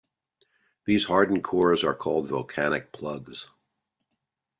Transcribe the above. These hardened cores are called volcanic plugs.